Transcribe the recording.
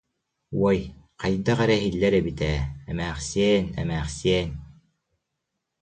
Уой, хайдах эрэ иһиллэр эбит ээ, «эмээхсиэн, эмээхсиэн»